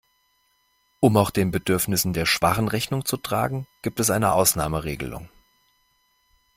Um auch den Bedürfnissen der Schwachen Rechnung zu tragen, gibt es eine Ausnahmeregelung.